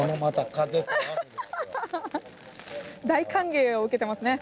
大歓迎を受けてますね。